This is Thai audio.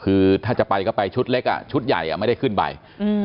คือถ้าจะไปก็ไปชุดเล็กอ่ะชุดใหญ่อ่ะไม่ได้ขึ้นไปอืม